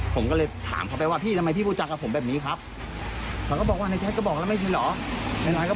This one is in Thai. ผมโทรถามเพราะผมจะได้ส่งของให้พี่ได้ไวขึ้น